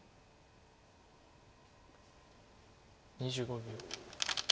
２５秒。